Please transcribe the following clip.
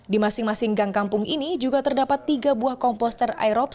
di masing masing gang kampung ini juga terdapat tiga buah komposter aerob